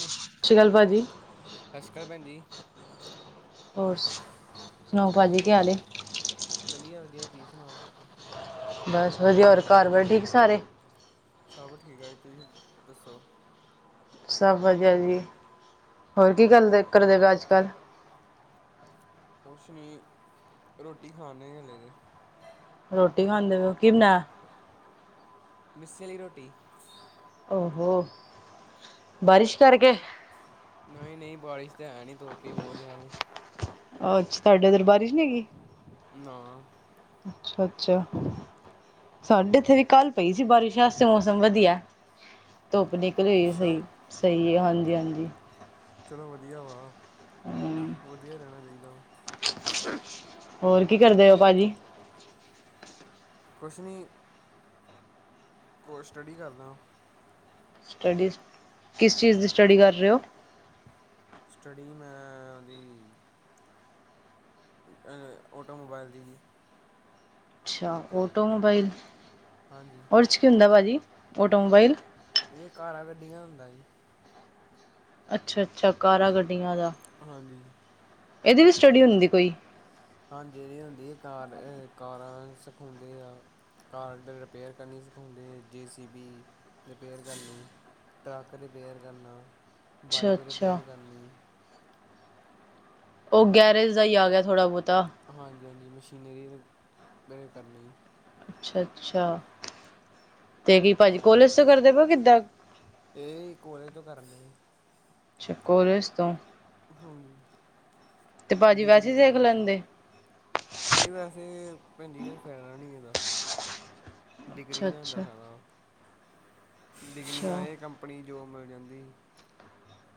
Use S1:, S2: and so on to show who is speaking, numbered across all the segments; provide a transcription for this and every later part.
S1: ਸਤਿ ਸ਼੍ਰੀ ਅਕਾਲ ਪਾਜੀ।
S2: ਸਤਿ ਸ਼੍ਰੀ ਅਕਾਲ ਭੈਣਜੀ।
S1: ਹੋਰ ਸੁਣਾਓ ਭਾਜੀ ਕੀ ਹਾਲ ਐ,
S2: ਵਧੀਆ- ਵਧੀਆ ਜੀ ਸਣਾਓ,
S1: ਬਸ ਵਧੀਆ ਹੋਰ ਘਰ- ਬਾਰ ਠੀਕ ਸਾਰੇ
S2: ਸਭ ਠੀਕ ਆ ਜੀ ਤੁਸੀਂ ਦੱਸੋ।
S1: ਸਭ ਵਧੀਆ ਜੀ, ਹੋਰ ਕੀ ਕਰਦੇ ਕਰ ਕਰਦੇ ਪਏ ਅੱਜ ਕੱਲ੍ਹ?
S2: ਕੁਛ ਨਈ ਰੋਟੀ ਖਾਂਨੇ ਹੱਲੇ ਤੇ,
S1: ਰੋਟੀ ਖਾਂਦੇ ਪਏ ਹੋ ਕੀ ਬਣਾਏਆ?
S2: ਮਿੱਸੀ ਵਾਲੀ ਰੋਟੀ,
S1: ਓਹੋ ਬਾਰਿਸ਼ ਕਰਕੇ,
S2: ਨਈ -ਨਈ ਬਾਰਿਸ਼ ਤੇ ਹੈ ਨਈ ਧੋਪ ਈ ਬਹੁਤ ਆ ਤੇ,
S1: ਅੱਛਾ ਤੁਹਾਡੇ ਏਦਰ ਬਾਰਿਸ਼ ਨਈ ਹੈਗੀ,
S2: ਨਾ,
S1: ਅੱਛਾ- ਅੱਛਾ, ਸਾਡੇ ਏਥੇ ਵੀ ਕੱਲ ਪਈ ਸੀ ਬਾਰਿਸ਼, ਵੈਸੇ ਤੇ ਮੌਸਮ ਵਧੀਆ ਧੁੱਪ ਨਈ
S2: ਅੱਛਾ
S1: ਸਹੀ- ਸਹੀ ਆ ਹਾਂਜੀ- ਹਾਂਜੀ।
S2: ਚਲੋ ਵਧੀਆ ਵਾ
S1: ਹਮ
S2: ਵਧੀਆ ਰੈਹਣਾ ਚਾਹੀਦਾ ਵਾ,
S1: ਹੋਰ ਕੀ ਕਰਦੇ ਓ ਪਾਜੀ?
S2: ਕੁਛ ਨੀ, ਕੋਲ ਸਟੱਡੀ ਕਰਦਾ,
S1: ਸਟੱਡੀ ਕਿਸ ਚੀਜ਼ ਦੀ ਸਟੱਡੀ ਕਰ ਰਹੇ ਓ,
S2: ਸਟੱਡੀ ਮੈਂ ਓਹਦੀ, ਅ ਓਟੋ ਮੋਬਾਇਲ ਦੀ ਜੀ।
S1: ਅੱਛਾ ਓਟੋਮੋਬਾਈਲ,
S2: ਹਾਂਜੀ।
S1: ਓਚ ਕੀ ਹੁੰਦਾ ਪਾਜੀ ਓਟੋਮੋਬਾਈਲ,
S2: ਏਹ ਕਾਰਾਂ ਗੱਡੀਆਂ ਹੁੰਦਾ ਜੀ।
S1: ਅੱਛਾ -ਅੱਛਾ ਕਾਰਾ ਗੱਡੀਆਂ ਦਾ,
S2: ਹਾਂਜੀ।
S1: ਏਹਦੀ ਵੀ ਸਟੱਡੀ ਹੁੰਦੀ ਕੋਈ,
S2: ਹਾਂਜੀ ਏਹਦੀ ਹੁੰਦੀ ਕਾਰ ਕਾਰਾਂ ਸਿਖਾਉਂਦੇ ਆ, ਕਾਰਡ ਰਿਪੇਅਰ ਕਰਨੀ ਸਿਖਾਉਦੇ, ਜੇ- ਸੀ -ਬੀ ਰਿਪੇਅਰ ਕਰਨੀ, ਟਰੱਕ ਰਿਪੇਅਰ ਕਰਨਾ, ਬਾਈਕ
S1: ਅੱਛਾ-ਅੱਛਾ
S2: ਰਿਪੇਅਰ ਕਰਨੀ,
S1: ਓ ਗੈਰੇਜ ਦਾ ਈ ਆ ਗੇਆ ਥੋੜ੍ਹਾ ਬੋਤਾ,
S2: ਹਾਂਜੀ- ਹਾਂਜੀ ਮਸ਼ੀਨਰੀ ਰਿਪੇਅਰ ਕਰਨੀ,
S1: ਅੱਛਾ- ਅੱਛਾ ਤੇ ਕੀ ਪਾਜੀ ਕੋਲਜ ਤੋਂ ਕਰਦੇ ਪਏ ਓ ਕਿੱਦਾਂ,
S2: ਏ ਕੋਲੇਜ ਤੋਂ ਕਰਨ ਦੇਆ ਜੀ।
S1: ਅੱਛ ਕੋਲੇਜ ਤੋ,
S2: ਹਾਂ
S1: ਤੇ ਭਾਜੀ
S2: ਡਿਗਰੀ
S1: ਵੈਸੇ ਦੇਖ
S2: ਕਰਨੀ ਏਥੇ,
S1: ਲੈਂਦੇ
S2: ਏ ਵੈਸੇ ਭੈਣ ਜੀ ਕੋਈ ਫਾਇਦਾ ਨਈ ਏਦਾ, ਡਿਗਰੀ ਲੈਂਣ ਦਾ
S1: ਅੱਛਾ-ਅੱਛਾ
S2: ਫਈਦਾ ਵਾ, ਡਿਗਰੀ ਨਾਲ
S1: ਅੱਛਾ
S2: ਏ ਕੰਪਨੀ ਜੋਬ ਮਿਲ ਜਾਂਦੀ,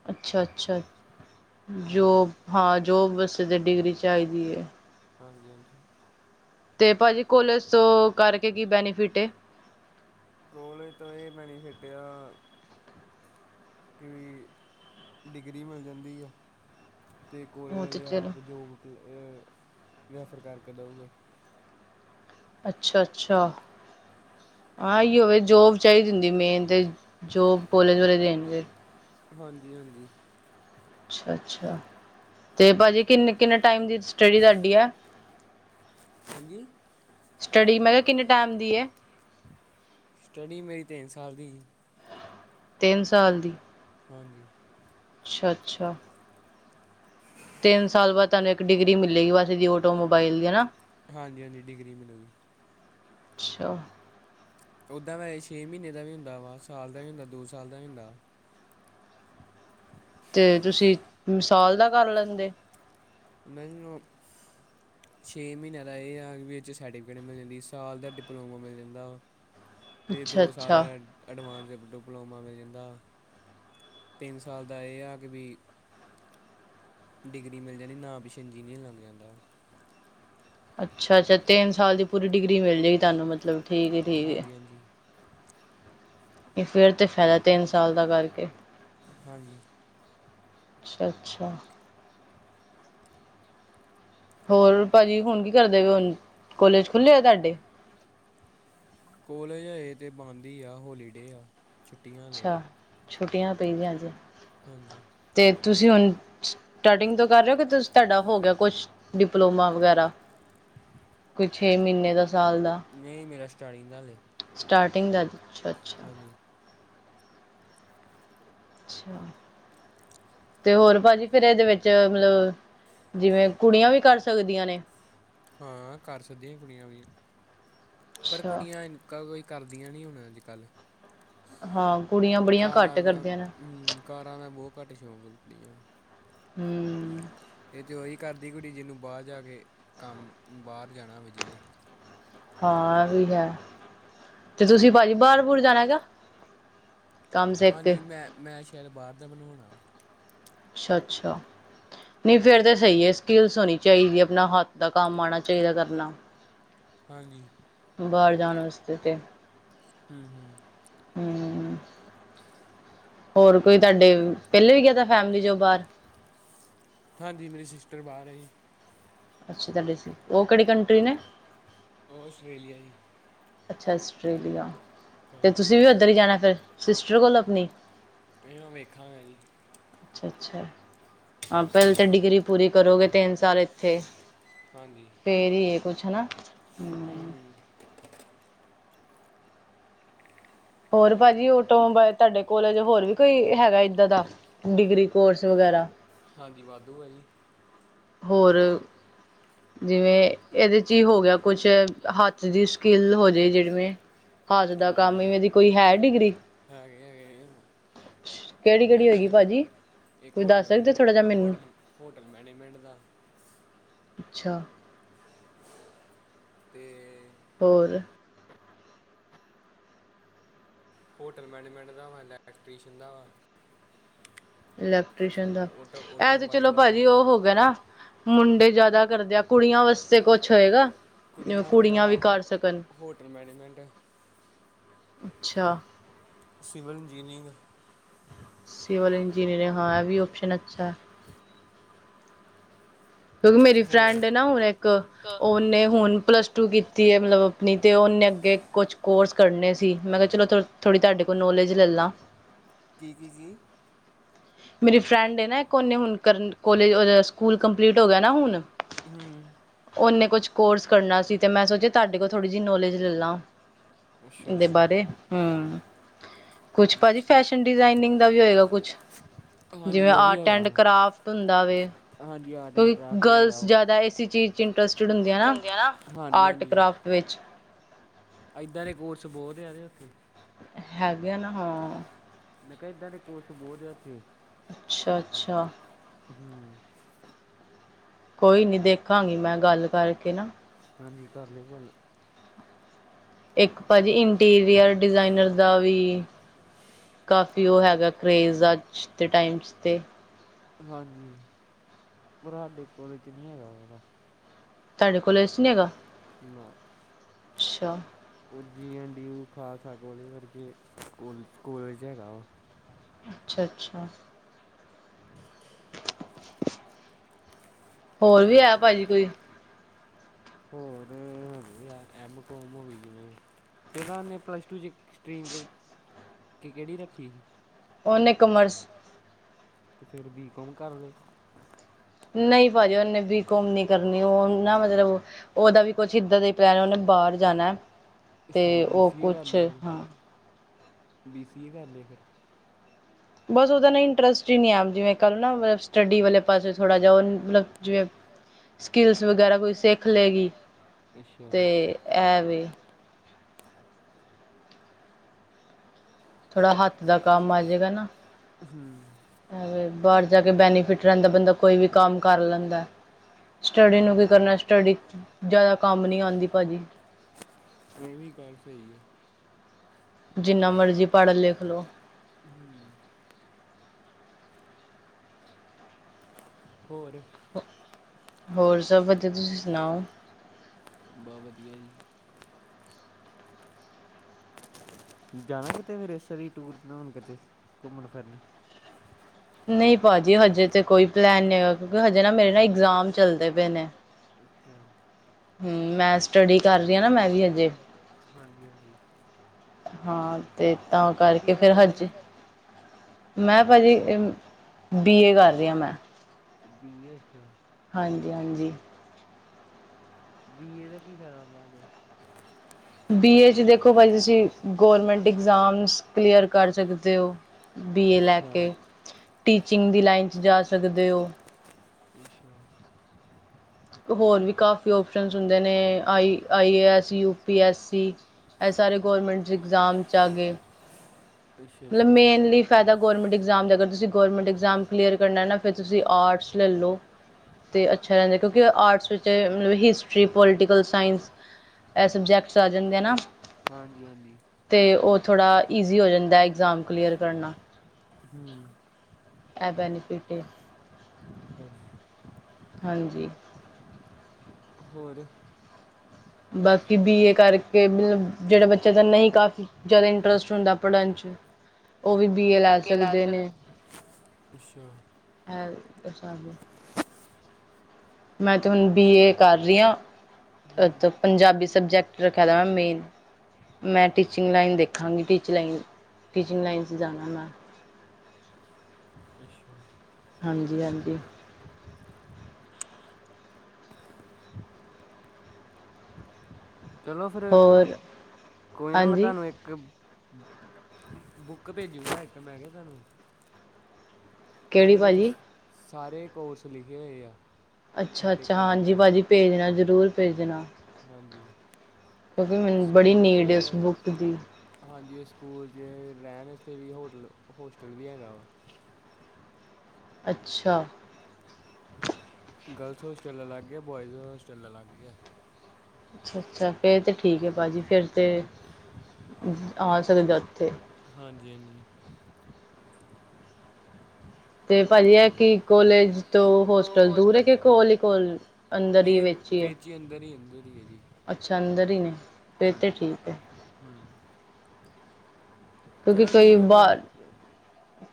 S1: ਅੱਛਾ -ਅੱਛਾ,
S2: ਹਾਂਜੀ
S1: ਜੋਬ ਹਾਂ ਜੋਬ ਵਾਸਤੇ ਤਾਂ ਡਿਗਰੀ ਚਾਈਦੀ ਏ,
S2: ਹ, ਗੇਮ ਹੈ।
S1: ਤੇ ਭਾਅ ਜੀ, ਕੋਲਜ ਤੋਂ ਕਰਕੇ ਕੀ ਬੈਨੀਫਿਟ ਏ?
S2: ਕੋਲਜ ਤੋਂ ਇਹ ਬੈਨੀਫਿਟ ਆ ਕਿ, ਡਿਗਰੀ ਮਿਲ ਜਾਂਦੀ ਆ। ਤੇ ਕੋਲੇਜ
S1: ਉਹ ਤੇ
S2: ਵਾਲੇ
S1: ਚਲੋ
S2: ਆਪ, ਜੋਬ ਰੈਫਰ ਕਰਕੇ ਦਓਗੇ।
S1: ਅੱਛਾ ਅੱਛਾ, ਹਾਂ ਇਓ ਵੀ ਜੋਬ ਚਾਹੀਦੀ ਹੁੰਦੀ ਮੇਨ ਤੇ ਜੋਬ ਕੋਲਜ ਵਾਲੇ ਦੇਣਗੇ।
S2: ਹਾਂਜੀ, ਹਾਂਜੀ।
S1: ਅੱਛਾ ਅੱਛਾ, ਤੇ ਭਾਜੀ ਕਿੰਨੇ ਕਿੰਨੇ ਟਾਈਮ ਦੀ ਸਟੱਡੀ ਤੁਆਡੀ ਹੈ?
S2: ਹਾਂਜੀ?
S1: ਸਟੱਡੀ ਮੈਂ ਕਿਹਾ, ਕਿੰਨੇ ਟਾਈਮ ਦੀ ਐ?
S2: ਸਟੱਡੀ ਮੇਰੀ ਤਿੰਨ ਸਾਲ ਦੀ
S1: ਤਿੰਨ ਸਾਲ ਦੀ।
S2: ਹਾਂਜੀ।
S1: ਅੱਛਾ, ਅੱਛਾ। ਤਿੰਨ ਸਾਲ ਬਾਅਦ, ਤੁਹਾਨੂੰ ਇੱਕ ਡਿਗਰੀ ਮਿਲੇਗੀ ਬਸ ਓਟੋਮੋਬਾਇਲ ਦੀ, ਹਨਾ।
S2: ਹਾਂਜੀ ਹਾਂਜੀ, ਡਿਗਰੀ ਮਿਲਲੇਗੀ।
S1: ਅੱਛਾ।
S2: ਉੱਦਾਂ ਵੈ ਛੇ ਮਹੀਨੇ ਦਾ ਵੀ ਹੁੰਦਾ ਵਾ, ਸਾਲ ਦਾ ਵੀ ਹੁੰਦਾ, ਦੋ ਸਾਲ ਦਾ ਵੀ ਹੁੰਦਾ।
S1: ਤੇ ਤੁਸੀਂ, ਸਾਲ ਦਾ ਕਰ ਲੈਂਦੇ।
S2: ਨਹੀਂ, ੳਹ ਛੇ' ਮਹੀਨਿਆਂ ਦਾ ਇਹ ਵਿੱਚ ਸਰਟੀਫਿਕੇਟ ਮਿਲ ਜਾਂਦੀ, ਸਾਲ ਦਾ ਡਿਪਲੋਮਾ ਮਿਲ ਜਾਂਦਾ
S1: ਹਾਂ
S2: ਅਤੇ ਦੋ ਸਾਲ ਦਾ, ਐਡਵਾਂਸ ਡਿਪਲੋਮਾ ਮਿਲ ਜਾਂਦਾ ਤਿੰਨ ਸਾਲ ਦਾ ਇਹ ਆ ਕਿ ਵੀ, ਡਿਗਰੀ ਮਿਲ ਜਾਣੀ ਨਾ ਪਿੱਛੇ ਇ ਜਜੀਅਰ ਲੱਗ ਜਾਂਦਾ ਵਾ।
S1: ਅੱਛਾ-ਅੱਛਾ, ਤਿੰਨ ਸਾਲ ਦੀ ਪੂਰੀ ਡਿਗਰੀ ਮਿਲ ਜਾਏਗੀ ਤੁਹਾਨੂੰ ਮਤਲਬ, ਠੀਕ-ਠੀਕ।
S2: ਹਾਂਜੀ ਹਾਂਜੀ
S1: ਫਿਰ ਤਾਂ ਫਾਇਦਾ, ਤਿੰਨ ਸਾਲ ਦਾ ਕਰਕੇ
S2: ਹਾਂਜੀ
S1: ਅੱਛਾ-ਅੱਛਾ। ਹੋਰ ਭਾਜੀ ਹੁਣ ਕੀ ਕਰਦੇੁ, ਕੋਲੇਜ ਖੁੱਲ੍ਹੇ ਆ ਤੁਹਾਡੇ?
S2: ਕੋਲੇਜ ਆ ਇਹ ਤਾਂ ਬੰਦ ਹੀ ਆ, ਹੋਲੀਡੇ ਆ ਛੁੱਟੀਆਂ ਹਲੇ ਦੇ
S1: ਅੱਛਾ ਛੁੱਟੀਆਂ ਪਈਈਆਂ ਜਾਂਦੀ।
S2: ਹਾਂਜੀ।
S1: ਤੇ' ਤੁਸੀਂ ਹੁਣ ਸਟਾਰਟਿੰਗ ਤੋਂ ਕਰ ਰਹੇ ਹੋ, ਕਿ ਤੁ ਤੁਹਾਡਾ ਹੋ ਗਿਆ ਕੁਛ ਡਿਪਲੋਮਾ ਵਗੈਰਾ, ਕੋਈ ਛੇ ਮਹੀਨੇ ਦਾ, ਸਾਲ ਦਾ
S2: ਨਹੀਂ, ਮੇਰਾ ਸਟਾਰਟਿੰਗ ਦਾ ਹਾਲੇ
S1: ਸਟਾਰਟਿੰਗ ਦਾ, ਅਛਾ-ਅੱਛਾ।
S2: ਹਾਂਜੀ।
S1: ਅੱਛਾ। ਤੇ' ਹੋਰ ਭਾਜੀ ਫਿਰ ਇਹਦੇ ਵਿੱਚ ਮਤਲਬ, ਜਿਵੇਂ ਕੁੜੀਆਂ ਵੀ ਕਰ ਸਕਦੀਆਂ ਨੇ?
S2: ਹਾਂ ਕਰ ਸੱਦੀਆਂ ਕੁੜੀਆਂ ਵੀ, ਪਰ
S1: ਅੱਛਾ
S2: ਕੁੜੀਆਂ ਲੋਕੱਕਾਂ ਕੋਈ ਕਰਦੀਆਂ ਨਹੀਂ ਹੁਣ, ਅੱਜ ਕੱਲ੍ਹ।
S1: ਹਾਂ ਕੁੜੀ
S2: ਕਾਰਾਂ ਦਾ ਕਾਰਾਂ ਦਾ ਬਹੁਤ ਘੱਟ ਸ਼ੌਂਕ ਹੁੰਦੀਆਂ
S1: ਹੂੰ,,,
S2: ਇਹ ਤੇ ਉਹੀ ਕਰਦੀ ਕੁੜੀ ਜਿਹਨੂੰ ਬਾਹਰ ਜਾ ਕੇ ਕੰਮ ਬਾਹਰ ਜਾਣਾ ਹੋਵੇ ਜਿਹਨੇ
S1: ਹਾਂ ਇਹ ਵੀ ਹੈ ਤੇ ਤੁਸੀਂ ਭਾਜੀ ਬਾਹਰ ਬੁਰ ਜਾਣਾ ਹੈਗਾ ਕੰਮ ਸਿੱਖ ਕੇ
S2: ਹਾਂਜੀ ਮੈਂ ਮੈਂ ਸ਼ਾਇਦ ਬਾਹਰ ਦਾ ਬਣਵਾਉਣਾ
S1: ਅੱਛਾ-ਅੱਛਾ। ਨਹੀਂ ਫਿਰ ਤਾਂ ਸਹੀ ਹੈ ਸਕਿਲਸ ਹੋਣੀ ਚਾਹੀਦੀ ਆਪਣਾ ਹੱਥ ਦਾ ਕੰਮ ਆਉਣਾ ਚਾਹੀਦਾ ਕਰਨਾ
S2: ਹਾਂਜੀ
S1: ਬਾਹਰ ਜਾਣ ਵਾਸਤੇ ਤੇ
S2: ਹੂੰ-ਹੂੰ
S1: ਹੂੰ ਹੋਰ ਕੋਈ ਤੁਹਾਡੇ ਪਹਿਲੇ ਵੀ ਗਿਆ ਤਾਂ ਫੈਮਲੀ ਜੋ ਬਾਹਰ
S2: ਹਾਂਜੀ ਮੇਰੀ ਸਿਸਟਰ ਬਾਹਰ ਆ ਜੀ
S1: ਅਸੀਂ ਥੱਲੇ ਸੀ ਉਹ ਕਿਹੜੀ ਕੰਟਰੀ ਨੇ
S2: ਉਹ ਆਸਟ੍ਰੇਲੀਆ ਜੀ
S1: ਅੱਛਾ ਆਸਟ੍ਰੇਲੀਆ ਤੇ
S2: ਹਾਂਜੀ
S1: ਤੁਸੀਂ ਵੀ ਉੱਧਰ ਹੀ ਜਾਣਾ ਫਿਰ ਸਿਸਟਰ ਕੋਲ ਆਪਣੀ
S2: [unintelligible] ਵੇਖਾਂ
S1: ਅੱਛਾ-ਅੱਛਾ ਹਾਂ ਪਹਿਲੇ ਤਾਂ ਡਿਗਰੀ ਪੂਰੀ ਕਰੋਗੇ ਤਿੰਨ ਸਾਲ ਇੱਥੇ
S2: ਹਾਂਜੀ
S1: ਫੇਰੀ ਇਹ ਕੁਛ ਨਾ
S2: ਹੂੰ-ਹੂੰ
S1: ਹੋਰ ਭਾਜੀ ਓਟੋ ਮੋਬਾਇਲ ਤੁਹਾਡੇ ਕੋਲਜ ਹੋਰ ਵੀ ਕੋਈ ਹੈਗਾ ਇੱਦਾਂ ਦਾ ਡਿਗਰੀ ਕੋਰਸ ਵਗੈਰਾ
S2: ਹਾਂਜੀ ਵਾਧੂ ਹੈ ਜੀ
S1: ਹੋਰ ਜਿਵੇਂ ਇਹਦੇ 'ਚ ਹੀ ਹੋ ਗਿਆ ਕੁਛ ਹੱਥ ਦੀ ਸਕਿੱਲ ਹੋ ਜਾਵੇ ਜਿਵੇਂ ਹੱਥ ਦਾ ਕੰਮ
S2: ਹਾਂਜੀ
S1: [unintelligible] ਕੋਈ ਹੈ ਡਿਗਰੀ
S2: ਹੈਗੇ ਹੈਗੇ
S1: ਕਿਹੜੀ-ਕਿਹੜੀ
S2: ਹੈਗੀ
S1: ਰਹੇਗੀ
S2: ਆ
S1: ਭਾਜੀ
S2: ਇੱਕ
S1: ਕੁਝ ਦੱਸ
S2: ਹੋਟਲ
S1: ਸਕਦੇ ਥੋੜਾ ਜਾ
S2: ਮੈਨੇਜਮੈਂਟ
S1: ਮੈਨੂੰ
S2: ਹੋਟਲ ਹੋਟਲ ਮੈਨੇਜਮੈਂਟ ਦਾ।
S1: ਅੱਛਾ।
S2: ਤੇ
S1: ਹੋਰ?
S2: ਹੋਟਲ ਮੈਨੇਜਮੈਂਟ ਦਾ ਵਾ, ਇਲੈਕਟ੍ਰੀਸ਼ਨ ਦਾ ਵਾ
S1: ਇਲੈਕਟ੍ਰੀਸ਼ਨ ਦਾ
S2: ਆਟੋ
S1: ਐ ਤੇ ਚਲੋ
S2: ਆਟੋਮੋਬਾਈਲ ਦਾ ਵਾ।
S1: ਭਾਜੀ ਓ ਹੋ ਗਿਆ ਨਾ। ਮੁੰਡੇ ਜਾਦਾ ਕਰਦੇ ਆ ਕੁੜੀਆਂ ਵਾਸਤੇ ਕੁੱਛ ਹੋਏਗਾ?
S2: ਵਾਸਤੇ ਆ
S1: ਕੁੜੀਆਂ ਵੀ
S2: ਹੋ-
S1: ਕਰ ਸਕਣ
S2: ਹੋਟਲ ਮੈਨੇਜਮੈਂਟ
S1: ਅੱਛਾ।
S2: Civil engineering.
S1: ਸਿਵਲ ਇੰਜੀਨਿੰਗ ਹਾਂ ਇਹ ਵੀ ਓਪਸ਼ਨ ਅੱਛਾ ਹੈ। ਕਿਉਂਕਿ ਮੇਰੀ
S2: ਹੋਰ
S1: ਫਰੈਂਡ ਨਾ ਹੋਰ ਇੱਕ। ਓਨੇ ਹੁਣ ਪਲੱਸ ਟੂ ਕੀਤੀ ਐ ਮਤਲਬ ਆਪਣੀ ਤੇ ਓਨੇ ਅੱਗੇ ਕੁੱਛ ਕੋਰਸ ਕਰਨੇ ਸੀ ਮੈਂ ਕਿਆ ਚਲੋ ਥੌ ਥੋੜੀ ਤੁਹਾਡੇ ਕੋਲ ਨੌਲੇਜ ਲੈ ਲਾਂ।
S2: ਜੀ-ਜੀ-ਜੀ
S1: ਮੇਰੀ ਫਰੈਂਡ ਨਾ ਇੱਕ ਓਨੇ ਹੁਣ ਕਰਨ ਕੋਲੇਜ ਸਕੂਲ ਕੰਪਲੀਟ ਹੋ ਗਿਆ ਨਾ ਹੁਣ।
S2: ਹੂੰ,,,
S1: ਓਨੇ ਕੁੱਛ ਕੋਰਸ ਕਰਨਾ ਸੀ ਤੇ ਮੈਂ ਸੋਚਿਆ ਤੁਹਾਡੇ ਕੋਲ ਥੋੜੀ ਜੀ ਨੌਲੇਜ ਲੈ ਲਾਂ।
S2: ਅੱਛਾ
S1: ਉਦੇ
S2: ਅੱਛਾ
S1: ਬਾਰੇ ਹੂੰ। ਕੋਛ ਭਾਜੀ
S2: ਅੱਛਾ
S1: ਫੈਸ਼ਨ ਡਿਜ਼ਾਇਨਿੰਗ ਦਾ ਵੀ ਹੋਏਗਾ ਕੋਛ
S2: ਹਾਂਜੀ
S1: ਜਿਵੇਂ
S2: ਉਹ ਵੀ
S1: ਆਰਟ
S2: ਹੈਗਾ
S1: ਐਂਡ ਕਰਾਫਟ ਹੁੰਦਾ ਵੇ
S2: ਹਾਂਜੀ ਆਰਟ ਐਂਡ
S1: ਕਉਕਿ
S2: ਕਰਾਫਟ ਵੀ ਹੈਗਾ
S1: ਗਰਲਸ ਜਾਦਾ ਏਸੀ ਚੀਜ਼ ਇੰਟਰਸਟਡ ਹੁੰਦੀਆਂ ਨਾ
S2: ਹਾਂਜੀ
S1: ਆਰਟ ਕਰਾਫਟ ਵਿੱਚ।
S2: ਐਦਾਂ ਦੇ ਕੋਰਸ ਬੋਤ ਐਦੇ ਓਥੇ।
S1: ਹੈ ਗਿਆ ਨਾ ਹਾਂ।
S2: ਮੈਂ ਕਿਆ ਏਦਾਂ ਦੇ ਕੋਰਸ ਬੋਤ ਆ ਏਥੇ।
S1: ਅੱਛਾ-ਅੱਛਾ
S2: ਹੂੰ।
S1: ਕੋਈ ਨੀ ਦੇਖਾਂਗੀ ਮੈਂ ਗੱਲ ਕਰਕੇ ਨਾ।
S2: ਹਾਂਜੀ ਕਰ ਲੇਯੋ [unintelligible]
S1: ਇੱਕ ਭਾਜੀ ਇੰਟੀਰੀਅਰ ਡਿਜ਼ਾਇਨਰ ਦਾ ਵੀ ਕਾਫੀ ਓ ਹੈਗਾ ਕਰੇਜ਼ ਅੱਜ ਦੇ ਟਾਈਮਸ ਤੇ
S2: ਹਾਂਜੀ ਪਰ ਹਾਡੇ ਕੋਲਜ ਚ ਨੀ ਹੈਗਾ ਓਦਾ।
S1: ਤਹਾਡੇ ਕੋਲਜ ਨੀ ਹੈਗਾ।
S2: ਨਾ।
S1: ਅੱਛਾ।
S2: ਓ G N D U Khalsa college ਵਰਗੇ ਕੋਲ ਕੋਲੇਜ ਚ ਹੈਗਾ ਵਾ।
S1: ਅੱਛਾ-ਅੱਛਾ ਹੋਰ ਵੀ ਹੈ ਭਾਜੀ ਕੋਈ?
S2: ਹੋਰ ਹੈਗੇ ਐਮ ਕੌਮ ਹੋਗੀ ਜਿਵੇਂ ਤੇ ਏਨਾ ਓ ਨੇ ਪਲੱਸ ਟੂ ਚ ਸਟ੍ਰੀਮ ਕੇ ਕੇ ਕੇੜੀ ਰੱਖੀ
S1: ਉਹਨੇ
S2: ਸੀ
S1: ਕਮਰਸ
S2: ਤੇ ਫੇਰ ਬੀਕੌਮ ਕਰ ਲਏ।
S1: ਨਈ ਭਾਜੀ ਨੇ ਬੀਕੋਮ ਨੀ ਕਰਨੀ ਓ ਨਾ ਮਤਲਬ ਓਦਾ ਵੀ ਕੁਛ ਇੱਦਾਂ ਦਾ ਈ ਪਲੈਨ ਐ ਓਨੇ ਬਾਰ ਜਾਨੈ।
S2: ਅੱਛਾ ਬੀਸੀ ਏ ਕਰ ਲਏ
S1: ਹਾਂ
S2: ਫਿਰ ਬੀਸੀ ਏ ਕਰ ਲਏ ਫੇਰ।
S1: ਬਸ ਓਦਾ ਨਾ ਇੰਟਰਸਟ ਈ ਨੀ ਐ ਜਿਵੇਂ ਕੱਲ੍ਹ ਨਾ ਮਤਲਬ ਸਟੱਡੀ ਵਾਲੇ ਪਾਸੇ ਥੋੜ੍ਹਾ ਜਾ ਓ ਮਤਲਬ ਜਿਵੇਂ ਸਕਿਲਸ ਵਗੈਰਾ ਕੋਈ ਸਿੱਖ ਲਏਗੀ
S2: ਅੱਛਾ।
S1: ਤੇ ਐ ਵੇ। ਥੋੜ੍ਹਾ ਹੱਥ ਦਾ ਕੰਮ ਆਜੇਗਾ ਨਾ।
S2: [unintelligible]
S1: ਬਾਰ ਜਾ ਕੇ ਬੈਨੀਫਿਟ ਰੈਂਦਾ ਬੰਦਾ ਕੋਈ ਵੀ ਕੰਮ ਕਰ ਲੈਂਦੈ। ਸਟੱਡੀ ਨੂੰ ਕੀ
S2: ਹਾਂਜੀ।
S1: ਕਰਨਾ ਸਟੱਡੀ ਜਾਦਾ ਕੰਮ ਨੀ ਆਂਦੀ ਭਾਜੀ।
S2: ਏ ਵੀਂ ਗੱਲ ਸਈ ਐ।
S1: ਜਿੰਨਾ ਮਰਜ਼ੀ ਪੜ੍ਹ ਲਿਖ ਲੋ।
S2: ਹਮ। ਹੋਰ।
S1: ਹੋਰ ਸਭ ਵਧੀਆ ਤੁਸੀਂ ਸੁਨਾਓ।
S2: ਬ ਵਦੀਆ ਜੀ। ਜਾਣਾ ਕਿਤੇ ਫੇਰ ਇਸ ਵਾਰੀ ਟੂਰ ਬਣਾਉਣ ਕਿਤੇ ਘੁੰਮਣ ਫਿਰਨ।
S1: ਨਹੀਂ ਭਾਜੀ ਹਜੇ ਤੇ ਕੋਈ ਪਲੈਨ ਨੀ ਹੈਗਾ ਕਿਉਂਕਿ ਹਜੇ ਨਾ ਮੇਰੇ ਨਾ ਇਗਜ਼ਾਮ ਚੱਲਦੇ ਪਏ ਨੇ।
S2: ਅੱਛਾ।
S1: ਹਮ ਮੈਂ ਸਟੱਡੀ ਕਰ ਰੀ ਆ ਨਾ ਮੈਂ ਵੀ ਹਜੇ।
S2: ਹਾਂਜੀ ਹਾਂਜੀ।
S1: ਹਾਂ ਤੇ ਤਾਂ
S2: ਤੁਸੀਂ ਕੀ
S1: ਕਰਕੇ ਫੇਰ
S2: ਕਰਦੇ
S1: ਹਜੇ।
S2: ਪਏ
S1: ਮੈਂ ਪਾਜੀ [unintelligible] ਬੀ ਏ ਕਰ ਰਹਾ ਮੈਂ।
S2: ਬੀ ਐ ਅੱਛਾ।
S1: ਹਾਂਜੀ ਹਾਂਜੀ।
S2: ਬੀ ਏ ਦਾ, ਕੀ ਫਾਇਦਾ ਹੁੰਦਾ ਅਜ?
S1: ਬੀ ਏ ਚ ਦੇਖੋ ਭਾ, ਤੁਸੀਂ ਗਰਮੈਂਟ ਇਗਜ਼ਾਮ ਕਲੀਅਰ ਕਰ ਸਕਦੇ ਹੋ। ਬੀ ਏ ਲੈ
S2: ਅੱਛਾ
S1: ਕੇ, ਟੀਚਿੰਗ ਦੀ ਲਾਈਨ ਚ ਜਾ ਸਕਦੇ ਹੋ।
S2: ਅੱਛਾ।
S1: ਹੋਰ ਵੀ ਕਾਫੀ ਓਪਸ਼ਨਸ ਹੁੰਦੇ ਨੇ, I I A S, U P S C. ਇਹ ਸਾਰੇ ਗੌਰਮੈਂਟਸ ਇਗਜ਼ਾਮ ਚ ਆ ਗਏ।
S2: ਅੱਛਾ-ਅੱਛਾ।
S1: ਗਵਰਮੈਂਟਇਗਜਾਮ ਦੇਗਰ, ਤੁਸੀਂ ਗਰਮੈਂਟਇਗਜ਼ਾਮ ਕਲੀਅਰ ਕਰਨਾ ਨ, ਫ਼ਿਰ ਤੁਸੀਂ ਆਰਟਸ ਲੈ ਲੋ। ਅਤੇ ਅੱਛਾ ਰਹਿੰਦਾ, ਕਿਉਂਕਿ ਆਰਟਸ ਵਿੱਚ ਹਿਸਟਰੀ, ਪੋਲੀਟੀਕਲ ਸਾਇੰਸ ਇਹ ਸਬਜੈਕਟਸ ਆ ਜਾਂਦੇ ਨਾ।
S2: ਹਾਂਜੀ-ਹਾਂਜੀ।
S1: ਤੇ ਉਹ ਥੋੜ੍ਹਾ ਈਜ਼ੀ ਹੋ ਜਾਂਦਾ, ਇਗਜ਼ਾਮ ਕਲੀਅਰ ਕਰਨਾ।
S2: ਹਮ।
S1: ਇਹ ਬੈਨੀਫਿਟ ਹੈ।
S2: ਹਾਂਜੀ।
S1: ਹਾਂਜੀ।
S2: ਹੋਰ।
S1: ਬਾਕੀ ਬੀ ਏ ਕਰਕੇ, ਮਤਲਬ ਜਿਹੜਾ ਬੱਚਾ ਤਾਂ ਨਹੀਂ ਕਾ ਜ਼ਿਆਦਾ ਇੰਟਰਸਟ ਹੁੰਦਾ ਪੜ੍ਹਨ ਚ। ਉਹ ਵੀ ਬੀਏ ਲੈ ਸਕਦੇ ਨੇ।
S2: ਅੱਛਾ
S1: ਹੈ, ਅਛਾ। ਮੈਂ ਤੇ ਹੁਣ, ਬੀ ਏ ਕਰ ਰਹੀ ਹਾਂ।
S2: ਹਮ
S1: ਅਤੇ ਪੰਜਾਬੀ ਸਬਜੈਕਟ ਰੱਖਿਆ ਦਾ ਮ ਮੇਨ। ਮੈਂ ਟੀਚਿੰਗ
S2: ਅੱਛਾ
S1: ਲਾਈਨ ਦੇਖਾਂਗੀ, ਟੀਚਿੰਗ ਲਾਈਨ, ਟੀਚਿੰਗ ਲਾਈਨ ਚ ਜਾਣਾ ਮੈਂ। ਅ।
S2: ਅੱਛਾ।
S1: ਹਾਂਜੀ-ਹਾਂਜੀ।
S2: ਚਲੋ ਫਿਰ,
S1: ਹੋਰ
S2: ਕੋਈ ਨਾ ਮੈਂ
S1: ਹਾਂਜੀ
S2: ਤੁਹਾਨੂੰ ਇੱਕ ਇਕ ਬੁੱਕ ਭੇਜਜੀੜਿਆ ਇਕ, ਮੈਂ ਕਿਹਾ ਤੁਹਾਨੂੰ।
S1: ਕਿਹੜੀ
S2: ਉਹਦੇ
S1: ਭਾਅ
S2: ਵਿੱਚ ਸ
S1: ਜੀ
S2: ਸਾਰੇ ਕੋਰਸ ਲਿਖੇ ਹੋਏ ਆ। ਸਾਡੇ
S1: ਅੱਛਾ-ਅੱਛਾ,
S2: ਕੋਲਜ
S1: ਹਾਂਜੀ
S2: ਦੇ
S1: ਭਾਜੀ, ਭੇਜਣਾ ਜ਼ਰੂਰ ਭੇਜਣਾ।
S2: ਹਾਂਜੀ,
S1: ਕਿਉਂਕਿ ਮੈਨੂੰ ਬੜੀ
S2: ਸਕੂਲ
S1: ਨੀਡ ਹੈ ਉਸ ਬੁੱਕ ਦੀ
S2: ਚ ਹਾਂਜੀ, ਸਕੂਲ ਚ ਰਹਿਣ ਵਾਸਤੇ ਵੀ, ਹੋਟਲ, ਹੋਸਟਲ ਵੀ ਹੈਗਾ ਵਾ।
S1: ਅੱਛਾ।
S2: ਗਰਲਸ ਹੋਸਟਲ ਅਲਗ ਹੈ, ਬੋਆਏਜ਼ ਹੋਸਟਲ ਅਲਗ ਹੈ।
S1: ਅੱਛਾ-ਅੱਛਾ ਫਿਰ ਤਾਂ ਠੀਕ ਹੈ। ਭਾਜੀ, ਫਿਰ ਤਾਂ ਆ ਸਕਦਾ ਉੱਥੇ।
S2: ਹਾਂਜੀ-ਹਾਂਜੀ।
S1: ਤੇ ਭਾਜੀ, ਐ ਕੀ ਕਾਲੇਜ ਤੋ ਹੋਸਟਲ ਦੂਰ ਐ, ਕਿ ਕੋਲ ਹੀ ਕੋਲ ਅੰਦਰ ਈ,
S2: ਨਹੀਂ
S1: ਵਿੱਚ ਈ ਐ?
S2: ਹੀ ਅੰਦਰ ਹੀ ਅੰਦਰ ਹੀ ਹੈ ਜੀ
S1: ਅੱਛਾ, ਅੰਦਰ ਈ ਨੇ। ਫਿਰ ਤੇ
S2: ਹਾਂਜੀ,
S1: ਠੀਕ ਹੈ
S2: ਹੂੰ
S1: ਕਿਉਂਕਿ
S2: ਚਲੋ
S1: ਕੋਈ
S2: ਠੀਕ ਆ ਫਿਰ
S1: ਬਾਰ,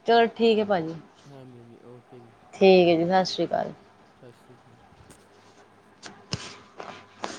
S1: ਚਲ ਠੀਕ ਐ, ਭਾਜੀ।
S2: ਹਾਂਜੀ-ਹਾਂਜੀ, ਓਕੇ ਜੀ।
S1: ਠੀਕ ਐ ਜੀ, ਸਾਸਰੀ ਕਾਲ।
S2: ਸਾਸਰੀ ਕ।
S1: [unintelligible]